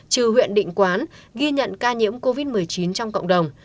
trừ huyện định quán ghi nhận ca nhiễm covid một mươi chín trong cộng đồng